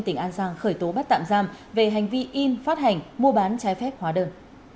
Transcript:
tỉnh an giang khởi tố bắt tạm giam về hành vi in phát hành mua bán trái phép hóa đơn